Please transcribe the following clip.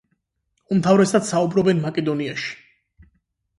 უმთავრესად საუბრობენ მაკედონიაში.